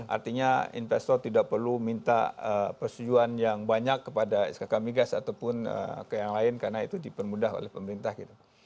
artinya investor tidak perlu minta persetujuan yang banyak kepada skk migas ataupun ke yang lain karena itu dipermudah oleh pemerintah gitu